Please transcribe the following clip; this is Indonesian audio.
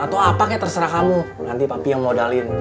atau apa kayak terserah kamu nanti papi yang modalin